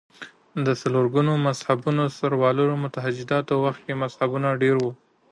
د څلور ګونو مذهبونو سروالو مجتهدانو وخت کې مذهبونه ډېر وو